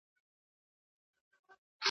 اوس چي هر مُلا ته وایم خپل خوبونه .